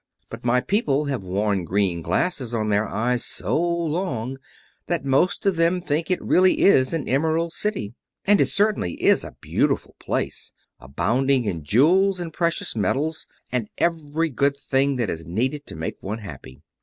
But my people have worn green glasses on their eyes so long that most of them think it really is an Emerald City, and it certainly is a beautiful place, abounding in jewels and precious metals, and every good thing that is needed to make one happy.